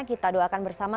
kita doakan bersama